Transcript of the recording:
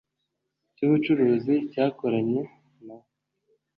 Cy ubucuruzi cyakoranye na we